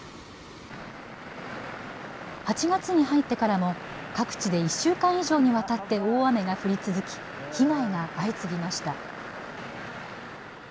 ８月に入ってからも各地で１週間以上にわたって大雨が降り続き被害が相次ぎました。